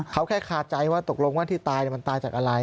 เขาแค่คาใจว่าตกลงว่าที่ตายมันตายจากอะไร